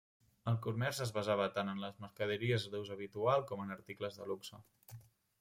El comerç es basava tant en les mercaderies d'ús habitual com en articles de luxe.